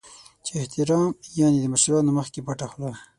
چې احترام یعنې د مشرانو مخکې پټه خوله .